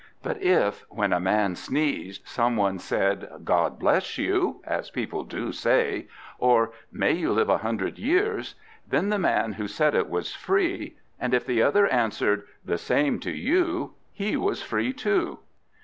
But if, when a man sneezed, some one else said, "God bless you!" as people do say, or "May you live a hundred years!" then the man who said it was free; and if the other answered, "The same to you!" he was free too.